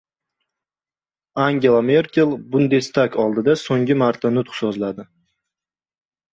Angela Merkel Bundestag oldida so‘nggi marta nutq so‘zladi